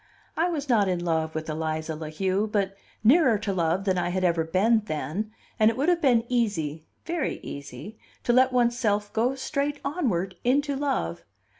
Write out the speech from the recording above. I was not in love with Eliza La Heu, but nearer to love than I had ever been then, and it would have been easy, very easy, to let one's self go straight onward into love.